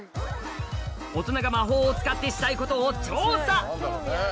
大人が魔法を使ってしたいことを調査